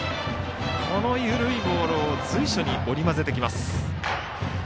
緩いボールを随所に織り交ぜてきます。